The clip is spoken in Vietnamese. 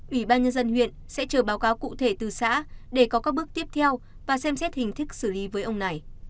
ủy ban nhân dân huyện sẽ chờ báo cáo cụ thể từ xã để có các bước tiếp theo và xem xét hình thức xử lý với ông này